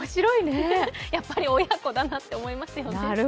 やっぱり親子だなと思いますよね。